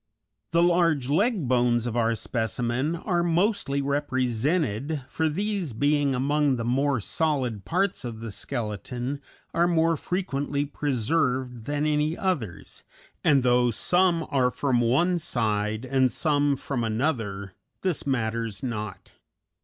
The large leg bones of our specimen are mostly represented, for these being among the more solid parts of the skeleton are more frequently preserved than any others, and though some are from one side and some from another, this matters not.